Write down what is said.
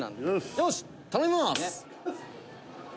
よしっ頼みます！」